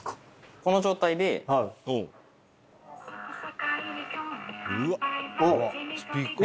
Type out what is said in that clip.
この状態で。うわえ？